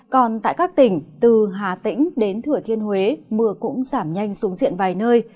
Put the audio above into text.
còn tại các tỉnh từ hà tĩnh đến thửa thiên huế mưa cũng giảm nhanh xuống diện vài nơi